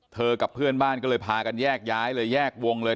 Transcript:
กับเพื่อนบ้านก็เลยพากันแยกย้ายเลยแยกวงเลย